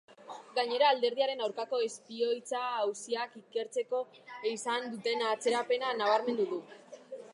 Gainera, alderdiaren aurkako espioitza auziak ikertzeko izan duten atzerapena nabarmendu du.